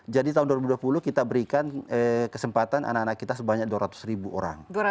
jadi tahun dua ribu dua puluh kita berikan kesempatan anak anak kita sebanyak dua ratus ribu orang